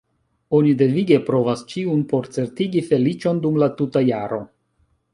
Oni devige provas ĉiun por certigi feliĉon dum la tuta jaro.